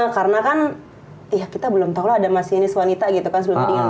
karena kan kita belum tahu ada masinis wanita gitu kan sebelumnya di indonesia